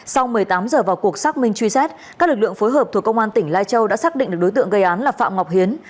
sau một mươi tám giờ vào cuộc xác minh truy xét các lực lượng phối hợp thuộc công an tỉnh lai châu đã xác định được đối tượng gây án là phạm ngọc hiến